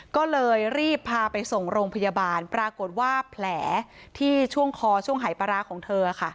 ก็เลยรีบพาไปส่งโรงพยาบาลปรากฏว่าแผลที่ช่วงคอช่วงหายปลาร้าของเธอค่ะ